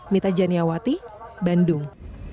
mita janiawati bandung